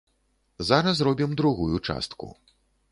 Зараз робім другую частку.